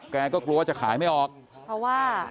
แกก็กลัวจะขายไม่ออกเพราะว่า